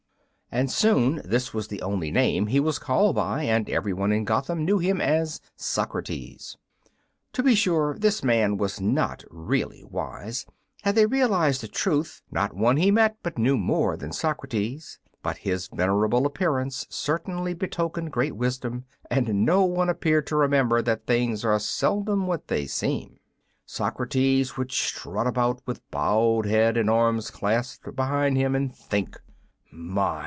And soon this was the only name he was called by, and every one in Gotham knew him as "Socrates." To be sure this man was not really wise. Had they realized the truth, not one he met but knew more than Socrates; but his venerable appearance certainly betokened great wisdom, and no one appeared to remember that things are seldom what they seem. Socrates would strut about with bowed head and arms clasped behind him, and think: "My!